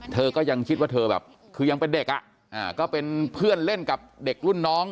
เธอก็ยังคิดว่าเธอแบบคือยังเป็นเด็กอ่ะก็เป็นเพื่อนเล่นกับเด็กรุ่นน้อง